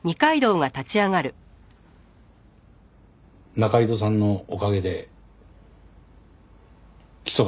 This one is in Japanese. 仲井戸さんのおかげで起訴ができます。